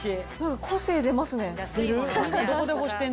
個性出ますね。